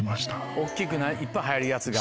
大っきくいっぱい入るやつが。